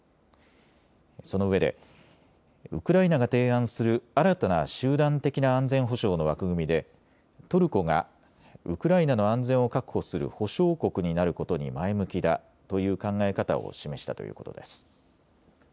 そのうえでウクライナが提案する新たな集団的な安全保障の枠組みでトルコがウクライナの安全を確保する保証国になることに前向きだという考え方を示したということです。